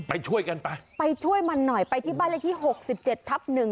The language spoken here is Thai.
ไปช่วยกันไปไปช่วยมันหน่อยไปที่บ้านเลขที่หกสิบเจ็ดทับหนึ่ง